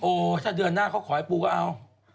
ถ้าเดือนหน้าเขาขอให้ปูก็เอา